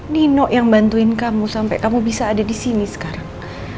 nino yang bantuin kamu sampai kamu bisa ada di sini sekarang